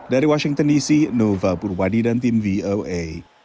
dari washington dc nova purwadi dan tim voa